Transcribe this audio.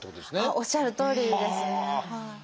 おっしゃるとおりです。